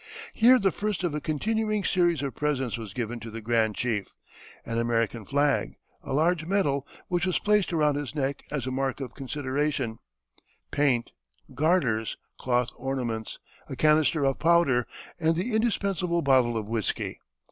Here the first of a continuing series of presents was given to the grand chief: an American flag, a large medal, which was placed around his neck as a mark of consideration, paint, garters, cloth ornaments, a canister of powder, and the indispensable bottle of whiskey.